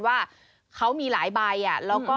มันเป็นคนตายคนตายคนตาย